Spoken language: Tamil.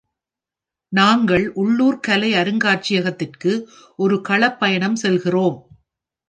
நாங்கள் உள்ளூர் கலை அருங்காட்சியகத்திற்கு ஒரு களப்பயணம் செல்கிறோம்.